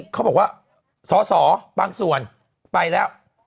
เขาบอกว่าสอสอบางส่วนไปแล้ว